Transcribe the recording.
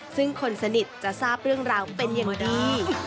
ซึ่งคนสนิทจะทราบเรื่องราวเป็นอย่างดี